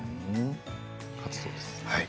活動です。